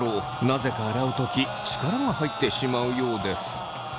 なぜか洗う時力が入ってしまうようです。